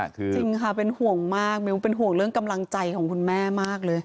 จริงค่ะเป็นห่วงมากมิ้วเป็นห่วงเรื่องกำลังใจของคุณแม่มากเลย